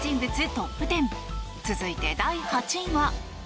トップ１０続いて第８位は。